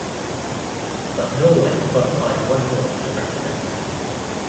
But Norway qualified one more to represent.